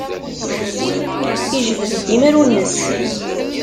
Yejbed-d imru-nnes.